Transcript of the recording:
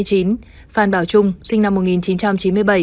phan bảo trung sinh năm một nghìn chín trăm chín mươi bảy